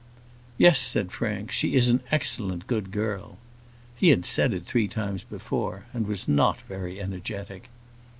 "Yes," said Frank. "She is an excellent good girl:" he had said it three times before, and was not very energetic.